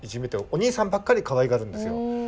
お兄さんばっかりかわいがるんですよ。